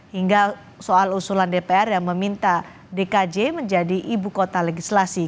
hingga soal usulan dpr yang meminta dkj menjadi ibu kota legislasi